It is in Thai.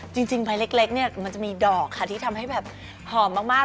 จริงใบเล็กเนี่ยมันจะมีดอกค่ะที่ทำให้แบบหอมมาก